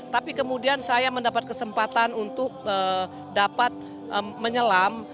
tapi kemudian saya mendapat kesempatan untuk dapat menyelam